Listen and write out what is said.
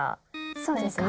そうですね。